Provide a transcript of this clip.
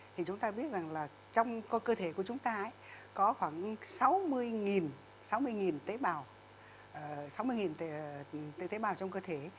thì chúng ta biết rằng là trong cơ thể của chúng ta có khoảng sáu mươi tế bào trong cơ thể